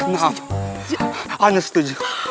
nah aneh setuju